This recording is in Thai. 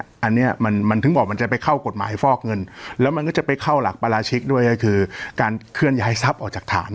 อันนี้มันถึงบอกมันจะไปเข้ากฎหมายฟอกเงินแล้วมันก็จะไปเข้าหลักปราชิกด้วยก็คือการเคลื่อนย้ายทรัพย์ออกจากฐาน